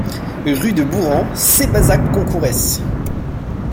Rue de Bourran, Sébazac-Concourès